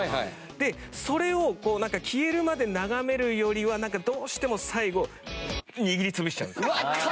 でそれを消えるまで眺めるよりはどうしても最後握り潰しちゃうんです。